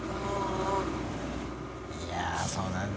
いやぁそうだね